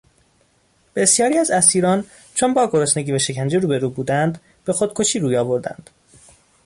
بسیاری از اسیران چون با گرسنگی و شکنجه روبرو بودند به خودکشی روی آوردند.